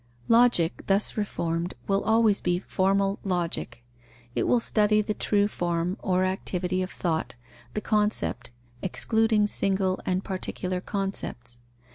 Logic thus reformed will always be formal Logic; it will study the true form or activity of thought, the concept, excluding single and particular concepts.